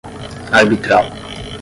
arbitral